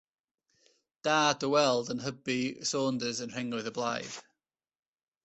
Da dy weld yn hybu Saunders yn rhengoedd y Blaid.